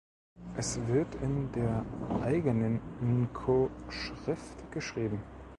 Es wird in der eigenen N’Ko-Schrift geschrieben.